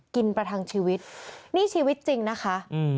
ประทังชีวิตนี่ชีวิตจริงนะคะอืม